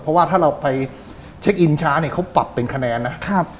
เพราะว่าถ้าเราไปเช็คอินช้าเนี่ยเขาปรับเป็นคะแนนนะครับ